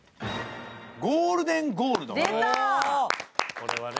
「ゴールデンゴールド」